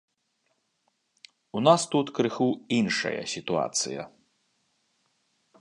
У нас тут крыху іншая сітуацыя.